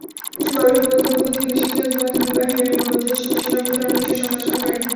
কিছু গবেষক গৌতম বুদ্ধের শিক্ষার মধ্যে, বিবাহের বিষয় সম্পর্কিত অনেক বিষয়ের সমালোচনা করেন।